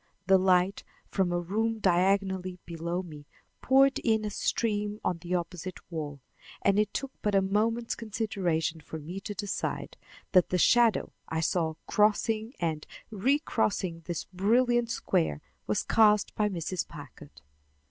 The light from a room diagonally below me poured in a stream on the opposite wall, and it took but a moment's consideration for me to decide that the shadow I saw crossing and recrossing this brilliant square was cast by Mrs. Packard.